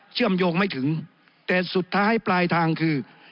เชื่อมโยงไม่ถึงแต่สุดท้ายปลายทางคือ